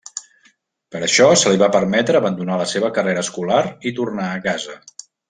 Per això, se li va permetre abandonar la seva carrera escolar i tornar a casa.